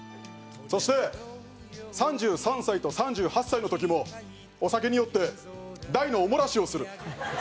そして３３歳と３８歳の時もお酒に酔って大のお漏らしをする。